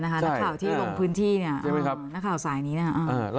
นักข่าวที่ลงพื้นที่นักข่าวสายนี้นะครับ